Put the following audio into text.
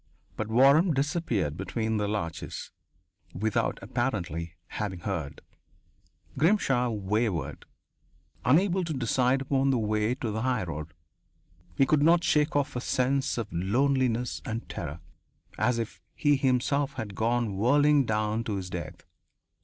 But Waram disappeared between the larches, without, apparently, having heard. Grimshaw wavered, unable to decide upon the way to the highroad. He could not shake off a sense of loneliness and terror, as if he himself had gone whirling down to his death.